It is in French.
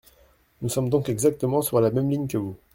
Nous sommes donc exactement sur la même ligne que vous.